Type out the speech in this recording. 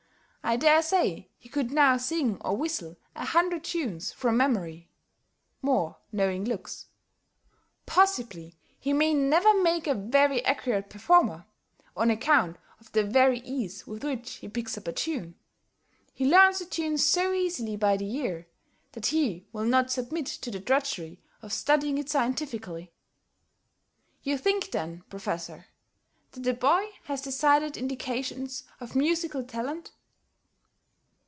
] I dare say he could now sing or whistle a hundred tunes from memory. [More knowing looks.] Possibly he may never make a very accurate performer, on account of the very ease with which he picks up a tune. He learns a tune so easily by the ear, that he will not submit to the drudgery of studying it scientifically." "You think, then, Professor, that the boy has decided indications of musical talent?"